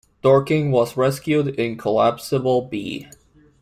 Dorking was rescued in Collapsible B.